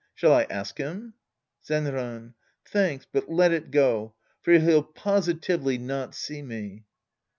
Shall I ask him ? Zenran. Thanks, but let it go. For he'll posi tively not see me.